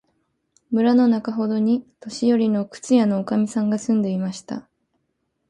村のなかほどに、年よりの靴屋のおかみさんが住んでいました。